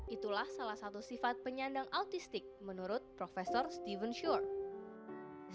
itulah salah satu sifat penyandang autistik menurut prof steven shorth